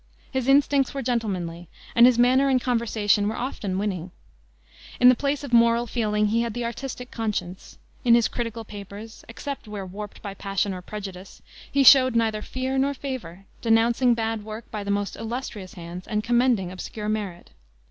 His instincts were gentlemanly, and his manner and conversation were often winning. In the place of moral feeling he had the artistic conscience. In his critical papers, except where warped by passion or prejudice, he showed neither fear nor favor, denouncing bad work by the most illustrious hands and commending obscure merit.